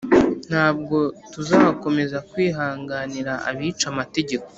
Ntabwo tuzakomeza kwihanganira abica amategeko